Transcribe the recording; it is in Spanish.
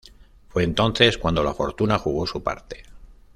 Fue entonces cuando la fortuna jugó su parte.